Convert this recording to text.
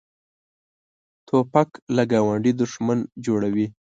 توپک له ګاونډي دښمن جوړوي.